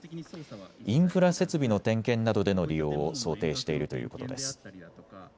インフラ設備の点検などでの利用を想定しているということです。